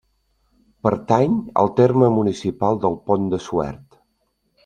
Pertany al terme municipal del Pont de Suert.